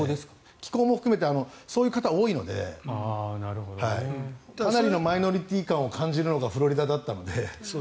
気候も含めてそういうことが多いのでかなりのマイノリティー感を感じるのがフロリダだったので。